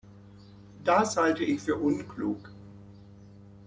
Das halte ich für unklug.